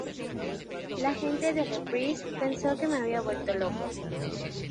La gente de Reprise pensó que me había vuelto loco.